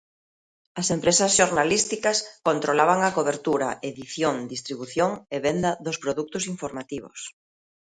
As empresas xornalísticas controlaban a cobertura, edición, distribución e venda dos produtos informativos.